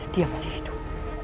dia masih hidup